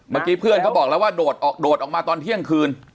เมื่อกี้เพื่อนเขาบอกแล้วว่าโดดออกมาตอนเที่ยงคืน